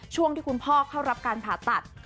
ช่วงที่คุณพ่อเข้ารับการผ่าตัด